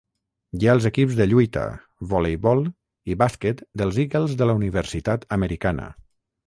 Hi ha els equips de lluita, voleibol i bàsquet dels Eagles de la Universitat Americana.